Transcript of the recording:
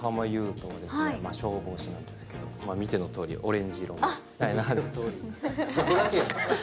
斗は消防士なんですけど見てのとおり、オレンジ色の。